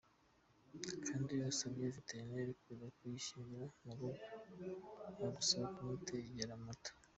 Kandi iyo usabye veterineri kuza kuyikingirira mu rugo agusaba kumutegera moto.